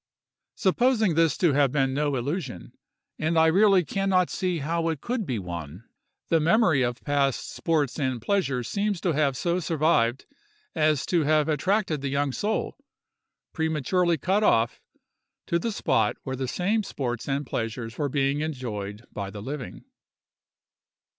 Supposing this to have been no illusion, and I really can not see how it could be one, the memory of past sports and pleasures seems to have so survived as to have attracted the young soul, prematurely cut off, to the spot where the same sports and pleasures were being enjoyed by the living.